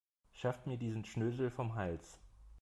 Schafft mir diesen Schnösel vom Hals.